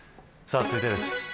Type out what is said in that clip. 続いてです。